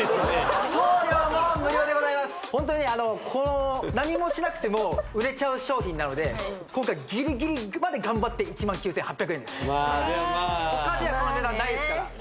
ホントに何もしなくても売れちゃう商品なので今回ギリギリまで頑張って１９８００円ですまあでもまあまあね